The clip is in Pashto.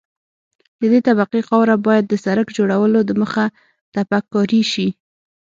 د دې طبقې خاوره باید د سرک جوړولو دمخه تپک کاري شي